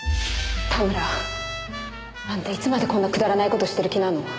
田村あんたいつまでこんなくだらない事してる気なの？